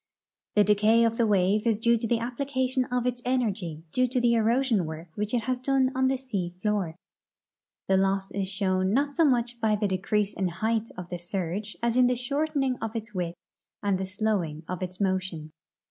The decay of the wave is due to the application of its energy to the erosion work Avhich it has done on the sea door. * The loss is shown not so much by the decrease in the height of the surge as in the shortening of its width and the slowing of its motion.